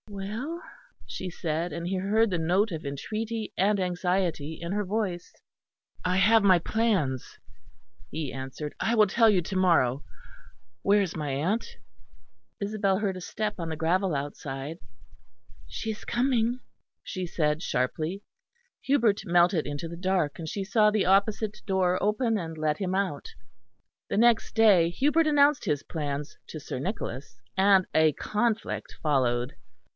"Well?" she said; and he heard the note of entreaty and anxiety in her voice. "I have my plans," he answered; "I will tell you to morrow. Where is my aunt?" Isabel heard a step on the gravel outside. "She is coming," she said sharply. Hubert melted into the dark, and she saw the opposite door open and let him out. The next day Hubert announced his plans to Sir Nicholas, and a conflict followed.